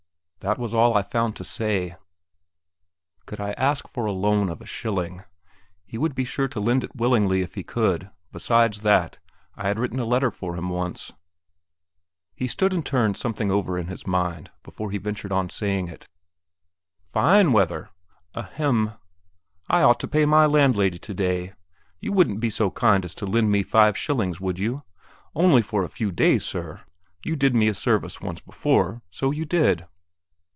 That was all I found to say. Could I ask for the loan of a shilling? He would be sure to lend it willingly if he could; besides that, I had written a letter for him once. He stood and turned something over in his mind before he ventured on saying it. "Fine weather! Ahem! I ought to pay my landlady today; you wouldn't be so kind as to lend me five shillings, would you? Only for a few days, sir. You did me a service once before, so you did."